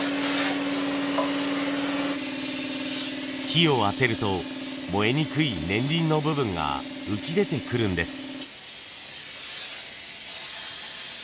火を当てると燃えにくい年輪の部分が浮き出てくるんです。